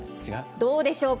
どうでしょうか。